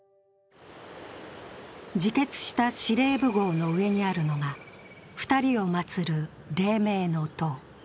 自決した司令部壕の上にあるのが２人を祭る黎明の塔。